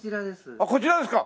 あっこちらですか！